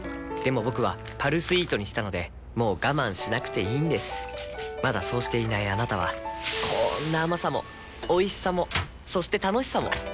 僕は「パルスイート」にしたのでもう我慢しなくていいんですまだそうしていないあなたはこんな甘さもおいしさもそして楽しさもあちっ。